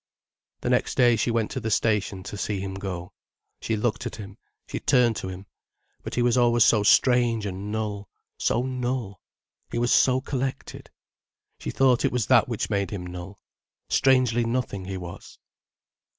The next day she went to the station to see him go. She looked at him, she turned to him, but he was always so strange and null—so null. He was so collected. She thought it was that which made him null. Strangely nothing he was.